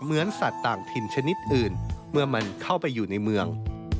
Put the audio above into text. เหมือนสัตว์ต่างถิ่นชนิดอื่นเมื่อมันเข้าไปอยู่ในเมือง